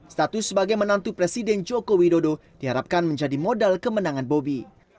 status sebagai menantu presiden joko widodo diharapkan menjadi modal kemenangan bobi